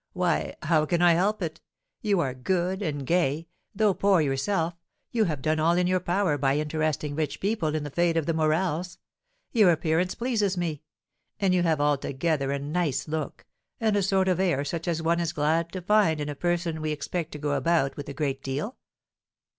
Why, how can I help it? You are good and gay; though poor yourself, you have done all in your power by interesting rich people in the fate of the Morels; your appearance pleases me; and you have altogether a nice look, and a sort of air such as one is glad to find in a person we expect to go about with a great deal.